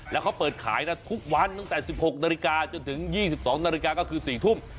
แล้วเขาเปิดขายนะทุกวันตั้งแต่๑๖นาฬิกาจนถึง๒๒นาฬิกาก็คือ๔ทุ่ม